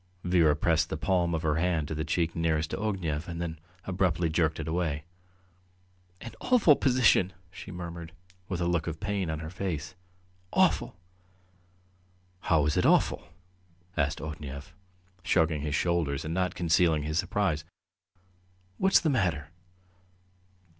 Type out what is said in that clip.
Vera pressed the palm of her hand to the cheek nearest to Ognev, and then abruptly jerked it away. "An awful position!" she murmured, with a look of pain on her face. "Awful!" "How is it awful?" asked Ognev, shrugging his shoulders and not concealing his surprise. "What's the matter?"